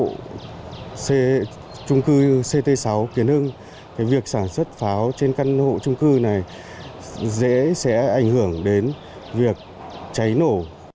tại trung cư ct sáu kiến hưng việc sản xuất pháo trên căn hộ trung cư này dễ sẽ ảnh hưởng đến việc cháy nổ